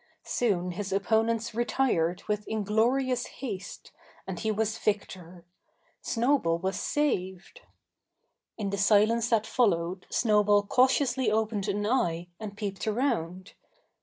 Soon his opponents retired with inglorious haste, and he was victor Snowball was saved! In the silence that followed Snowball cautiously opened an eye and peeped around.